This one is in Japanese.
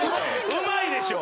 うまいでしょ。